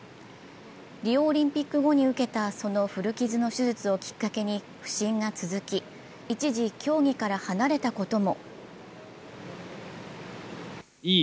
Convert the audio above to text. リオオリンピック後に受けたその古傷の手術をきっかけに不振が続き、一時、競技から離れたことも。